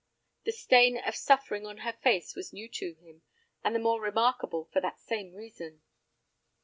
The stain of suffering on her face was new to him, and the more remarkable for that same reason.